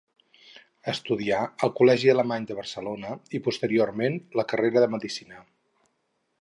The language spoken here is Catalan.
Estudià al Col·legi Alemany de Barcelona, i posteriorment, la carrera de Medicina.